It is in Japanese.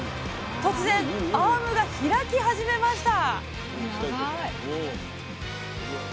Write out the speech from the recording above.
突然アームが開き始めました！